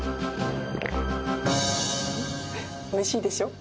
おいしいでしょ？